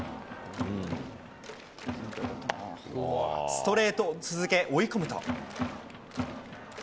ストレートを続け、追い込むと。